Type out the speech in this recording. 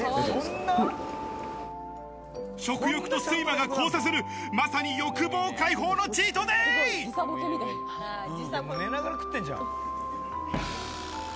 食欲と睡魔が交差する、まさに欲望解放のチートデイ！